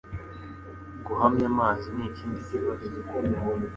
Guhumanya amazi ni ikindi kibazo